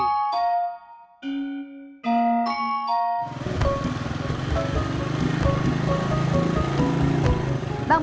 hari ketiga mereka baru pada beli